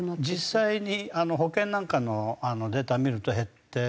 実際に保険なんかのデータを見ると減ってますね。